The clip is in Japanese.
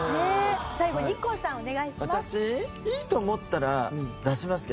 最後にＩＫＫＯさんお願いします。